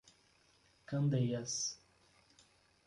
Candeias